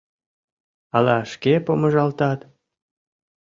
Ала шке помыжалтат.